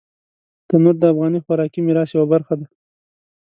تنور د افغاني خوراکي میراث یوه برخه ده